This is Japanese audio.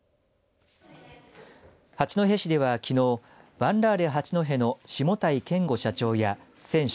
八戸市ではきのうヴァンラーレ八戸の下平賢吾社長や選手